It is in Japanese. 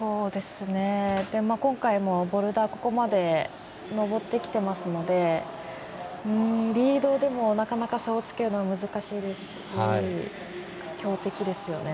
今回もボルダーここまで登ってきてますのでリードでも、なかなか差をつけるのは難しいですし強敵ですよね。